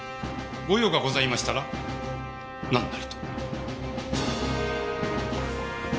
ご用がございましたらなんなりと。